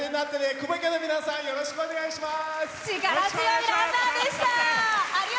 くぼ家の皆さんよろしくお願いします。